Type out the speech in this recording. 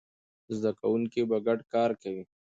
زده کوونکي به ګډ کار کوي.